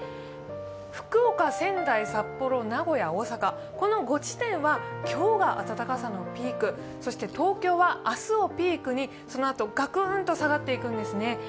福岡、仙台、札幌、名古屋、大阪、この５地点は今日が暖かさのピークそして東京は明日をピークにそのあとガクンと下がっていくんですね。